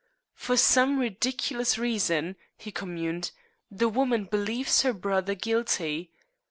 "For some ridiculous reason," he communed, "the woman believes her brother guilty.